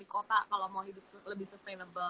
kota kalau mau hidup lebih sustainable